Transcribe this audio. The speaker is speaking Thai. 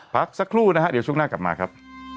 พักสักครู่นะฮะเดี๋ยวช่วงหน้ากลับมาครับ